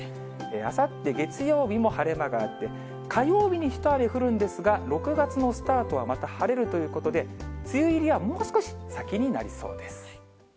あさって月曜日も晴れ間があって、火曜日に一雨降るんですが、６月のスタートはまた晴れるということで、梅雨入りはもう少し先になりそうです。